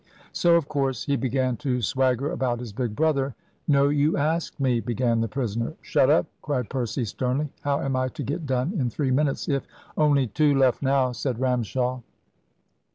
"So, of course, he began to swagger about his big brother " "No, you asked me " began the prisoner. "Shut up," cried Percy, sternly, "how am I to get done in three minutes if " "Only two left now," said Ramshaw.